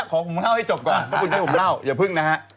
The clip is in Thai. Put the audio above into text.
ขอผมเล่าให้จบก่อนเพราะคุณให้ผมเล่าอย่าพึ่งนะฮะ